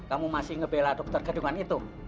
kamu masih ngebela doktor gadungan itu